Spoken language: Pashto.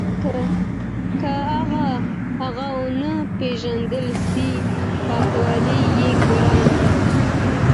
که داغ ونه پېژندل سي پاکول یې ګران دي.